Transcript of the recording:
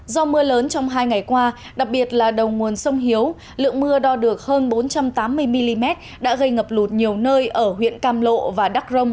do mưa lớn trong hai ngày qua đặc biệt là đầu nguồn sông hiếu lượng mưa đo được hơn bốn trăm tám mươi mm đã gây ngập lụt nhiều nơi ở huyện cam lộ và đắc rông